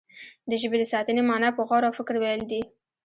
د ژبې د ساتنې معنا په غور او فکر ويل دي.